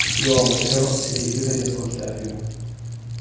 L'uomo, però, si rifiuta di ascoltarla.